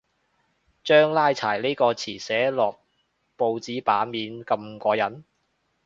將拉柴呢個詞寫落報紙版面咁過癮